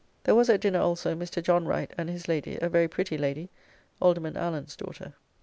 There was at dinner also Mr. John Wright and his lady, a very pretty lady, Alderman Allen's daughter.